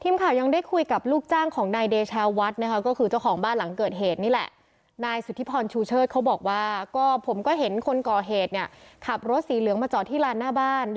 ทีมขายังได้คุยกับลูกจ้างของไหนเดชาวัฯเนี่ยก็คือเจ้าของบ้านหลังเกิดเหตุนี้แหละ